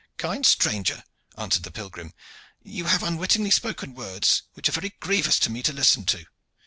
"Kind stranger," answered the pilgrim, "you have unwittingly spoken words which are very grievous to me to listen to.